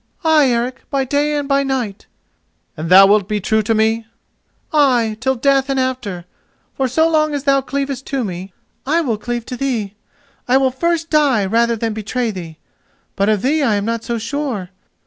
"Ay, Eric, by day and by night." "And thou wilt be true to me?" "Ay, till death and after, for so long as thou cleavest to me I will cleave to thee. I will first die rather than betray thee. But of thee I am not so sure.